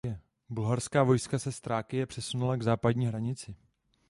Bulharská vojska se z Thrákie přesunula k západní hranici.